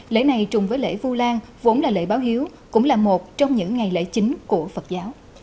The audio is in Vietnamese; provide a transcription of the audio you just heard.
lễ này trùng với lễ vu lan vốn là lễ báo hiếu cũng là một trong những ngày lễ chính của phật giáo